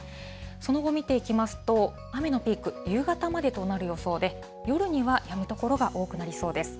その後、見ていきますと、雨のピーク、夕方までとなる予想で、夜にはやむ所が多くなりそうです。